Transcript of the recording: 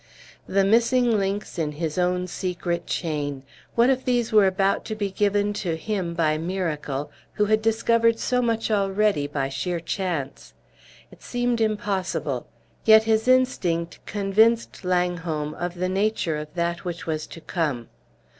The missing links in his own secret chain, what if these were about to be given to him by a miracle, who had discovered so much already by sheer chance! It seemed impossible; yet his instinct convinced Langholm of the nature of that which was to come.